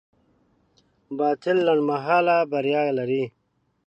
باطل لنډمهاله بریا لري.